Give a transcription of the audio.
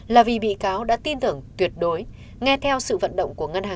là vì bị cáo đã tin tưởng tuyệt đối nghe theo sự vận động của ngân hàng